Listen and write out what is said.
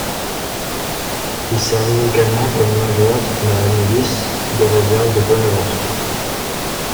Il servit également comme major dans la milice de réserve de Bonaventure.